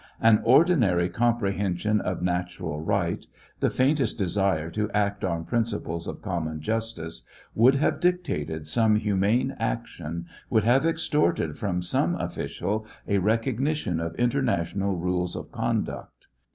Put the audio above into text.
An ordinary com prehension of natural right, the faintest desire to act on principles of common justice, would have dictated some humane action, would have extorted from some official a recognition of international rules of conduct.